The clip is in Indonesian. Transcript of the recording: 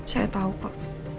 saya tahu pak